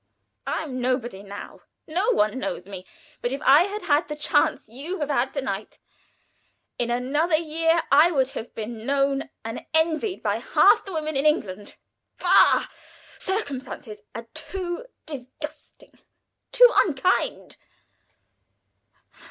"I am nobody now; no one knows me. But if I had had the chance that you have had to night, in another year I would have been known and envied by half the women in England. Bah! Circumstances are too disgusting, too unkind!"